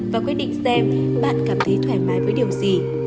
và quyết định xem bạn cảm thấy thoải mái với điều gì